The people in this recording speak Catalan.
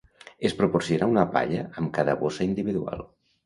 Es proporciona una palla amb cada bossa individual.